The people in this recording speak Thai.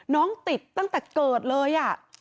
น้องติดตั้งแต่เกิดเลย